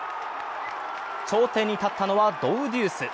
頂点に立ったのはドウデュース。